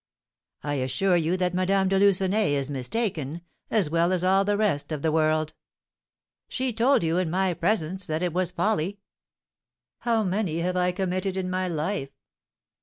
"I assure you that Madame de Lucenay is mistaken, as well as all the rest of the world." "She told you, in my presence, that it was a folly." "How many have I committed in my life?"